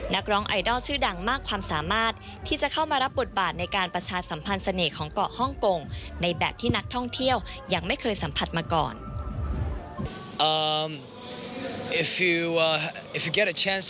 นักร้องไอดอลชื่อดังมากความสามารถที่จะเข้ามารับบทบาทในการประชาสัมพันธ์เสน่ห์ของเกาะฮ่องกงในแบบที่นักท่องเที่ยวยังไม่เคยสัมผัสมาก่อน